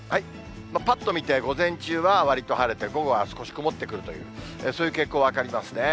ぱっと見て午前中はわりと晴れて、午後は少し曇ってくるという、そういう傾向分かりますね。